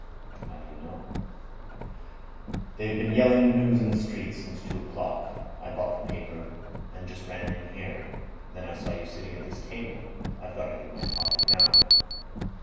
"How do you know?" "They have been yelling the news in the streets since two o'clock. I bought the paper, and just ran in here. Then I saw you sitting at this table. I've got it in my pocket now."